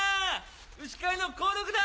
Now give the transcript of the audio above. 牛飼いの甲六だ！